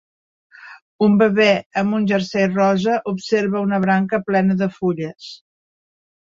Un bebè amb un jersei rosa observa una branca plena de fulles.